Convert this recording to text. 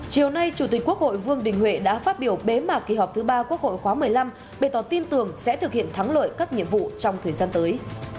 hãy đăng ký kênh để ủng hộ kênh của chúng mình nhé